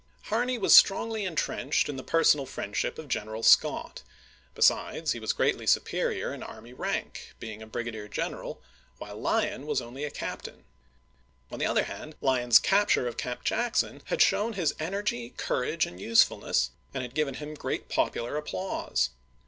Harney was strongly intrenched in the personal friendship of General Scott ; besides, he was greatly superior in army rank, being a brigadier general, while Lyon was only a captain. On the other hand, Lyon's capture of Camp Jackson had shown his energy, courage, and usefulness, and had given him great popular applause.